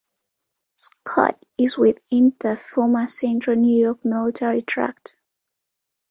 Scott is within the former Central New York Military Tract.